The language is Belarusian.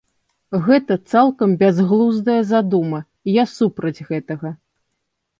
Гэта цалкам бязглуздая задума, я супраць гэтага.